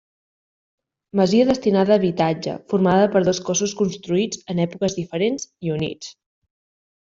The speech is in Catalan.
Masia destinada a habitatge formada per dos cossos construïts en èpoques diferents i units.